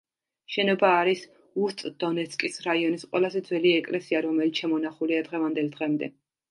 შენობა არის უსტ-დონეცკის რაიონის ყველაზე ძველი ეკლესია, რომელიც შემონახულია დღევანდელ დღემდე.